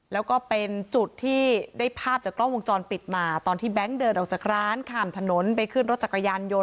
แล้วก็เป็นจุดที่ได้ภาพจากกล้องวงจรปิดมาตอนที่แบงค์เดินออกจากร้านข้ามถนนไปขึ้นรถจักรยานยนต